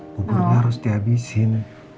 buburnya harus dihabisin